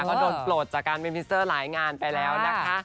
ก็โดนโปรดจากการเป็นพิเซอร์หลายงานไปแล้วนะคะ